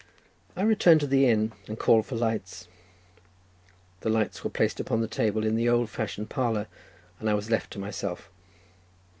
I returned to the inn, and called for lights; the lights were placed upon the table in the old fashioned parlour, and I was left to myself.